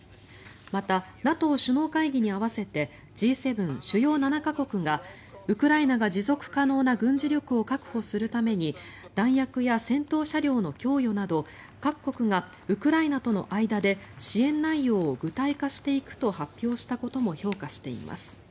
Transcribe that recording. またＮＡＴＯ首脳会議に合わせてＧ７・主要７か国がウクライナが持続可能な軍事力を確保するために弾薬や戦闘車両の供与など各国がウクライナとの間で支援内容を具体化していくと発表したことも評価しています。